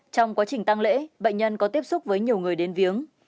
trong quá trình tăng lễ bệnh nhân có tiếp xúc với nhiều người đến viếng